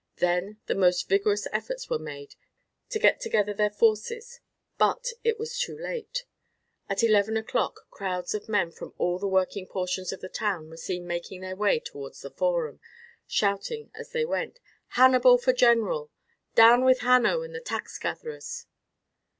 Then the most vigourous efforts were made to get together their forces, but it was too late. At eleven o'clock crowds of men from all the working portions of the town were seen making their way towards the forum, shouting as they went, "Hannibal for general!" "Down with Hanno and the tax gatherers!"